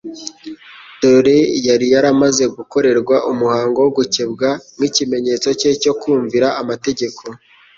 Dore yari yaramaze gukorerwa umuhango wo gukebwa nk'ikimenyetso cye cyo kumvira amategeko.